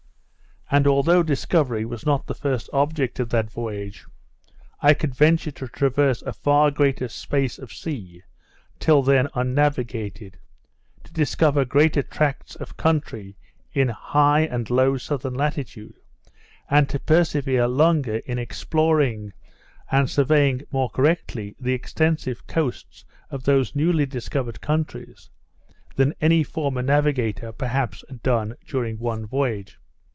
And, although discovery was not the first object of that voyage, I could venture to traverse a far greater space of sea, til then unnavigated; to discover greater tracts of country in high and low south latitudes, and to persevere longer in exploring and surveying more correctly the extensive coasts of those new discovered countries, than any former navigator perhaps had done during one voyage.